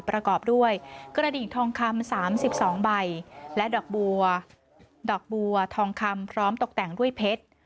ประกอบด้วยกระดิ่งทองคำ๓๒ใบและดอกบัวดอกบัวทองคำพร้อมตกแต่งด้วยเพชร